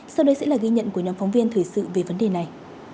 sau đây sẽ là ghi nhận của nhóm phóng viên thời sự về vấn đề này